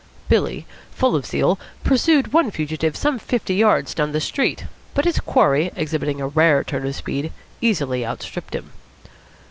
Billy, full of zeal, pursued one fugitive some fifty yards down the street, but his quarry, exhibiting a rare turn of speed, easily outstripped him.